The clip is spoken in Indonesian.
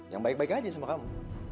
yang baik baik aja sama kamu